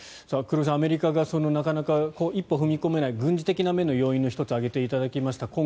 黒井さん、アメリカがなかなか一歩踏み込めない軍事的な面の要因の１つを挙げていただきました。